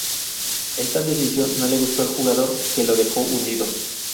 Esta decisión no gustó al jugador, que lo dejó hundido.